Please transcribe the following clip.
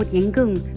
một nhánh gừng